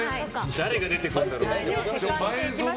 誰が出てくるだろう。